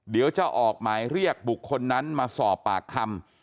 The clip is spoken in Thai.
เดี๋ยวจะออกหมายเรียกบุคคลนั้นมาสอบปากคำ